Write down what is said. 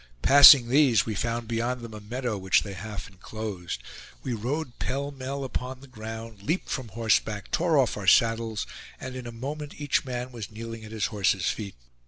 Passing these, we found beyond them a meadow which they half inclosed. We rode pell mell upon the ground, leaped from horseback, tore off our saddles; and in a moment each man was kneeling at his horse's feet.